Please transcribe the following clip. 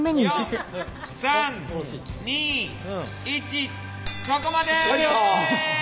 ４３２１そこまで！